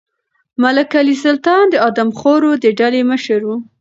ملک علي سلطان د آدمخورو د ډلې مشر و.